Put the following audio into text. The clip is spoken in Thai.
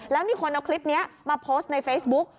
แล้วมีคนเอาคลิปนี้มาโพสต์ในเฟซบุ๊ก